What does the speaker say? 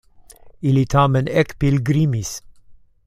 Ili tamen ekpilgrimis.